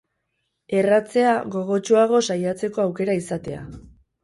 Erratzea, gogotsuago saiatzeko aukera izatea